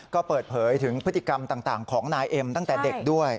ก็เปิดเผยถึงพฤติกรรมต่างของนายเอ็มตั้งแต่เด็กด้วย